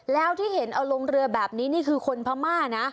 แล้วที่เห็นเอาลงเรือแบบนี้นี่คือคนพม่านะ